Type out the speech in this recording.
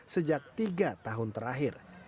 sejak tiga tahun terakhir